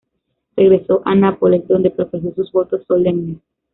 Regresó a Nápoles, donde profesó sus votos solemnes.